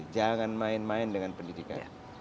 jangan main main dengan pendidikan